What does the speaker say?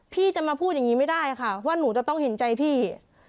พี่จะมาพูดอย่างนี้ไม่ได้ค่ะว่าหนูจะต้องเห็นใจพี่